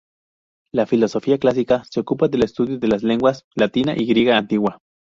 La filología clásica se ocupa del estudio de las lenguas latina y griega antigua.